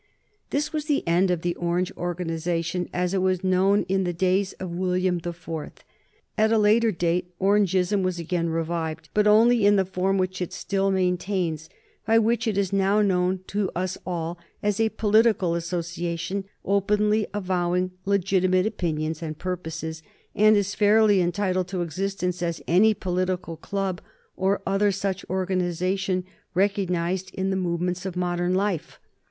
This was the end of the Orange organization, as it was known in the days of William the Fourth. At a later date Orangeism was again revived, but only in the form which it still maintains, by which it is now known to us all as a political association, openly avowing legitimate opinions and purposes, and as fairly entitled to existence as any political club or other such organization recognized in the movements of modern life.